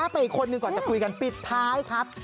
ไปอีกคนหนึ่งก่อนจะคุยกันปิดท้ายครับ